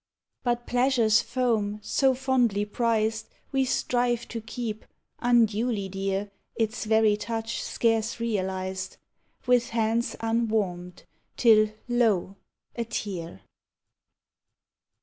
But pleasure's foam, so fondly prized, We strive to keep (unduly dear Its very touch scarce realized) With hands unwarmed, till, lo! a tear.